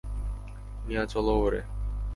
নিয়া চল ওরে।